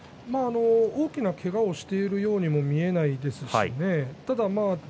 大きなけがをしているようにも見えませんしただ、